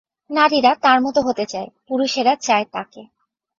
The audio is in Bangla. নারীরা তার মতো হতে চায়, পুরুষেরা চায় তাকে।